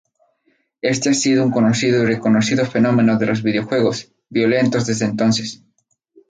Éste ha sido un conocido y reconocido fenómeno de los videojuegos violentos desde entonces.